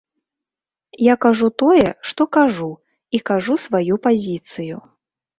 Я кажу тое, што кажу, і кажу сваю пазіцыю.